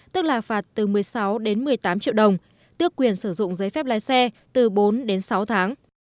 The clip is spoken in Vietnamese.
tức là phạt từ một mươi sáu đến một mươi tám triệu đồng tước quyền sử dụng giấy phép lái xe từ bốn đến sáu tháng